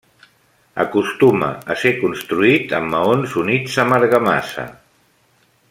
Acostuma a ser construït amb maons units amb argamassa.